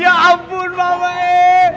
ya ampun mamae